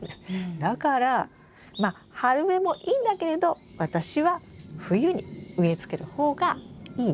だからまあ春植えもいいんだけれど私は冬に植えつける方がいい。